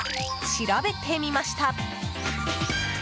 調べてみました。